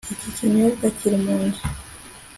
iki kinyobwa kiri munzu